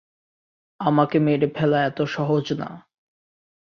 আমাকে মেরে ফেলা এত সহজ না।